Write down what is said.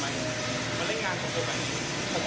พ่อแม่สมน้องเรียนมันมีอยู่แล้ว